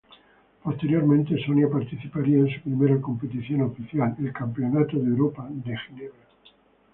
Posteriormente, Sonia participaría en su primera competición oficial, el Campeonato de Europa de Ginebra.